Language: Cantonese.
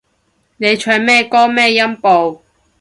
你唱咩歌咩音部